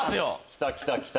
きたきたきた！